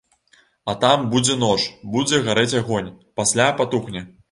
А там будзе ноч, будзе гарэць агонь, пасля патухне.